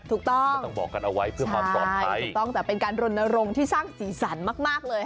ถูกต้องใช่ถูกต้องแต่เป็นการรณรงค์ที่สร้างสีสันมากเลย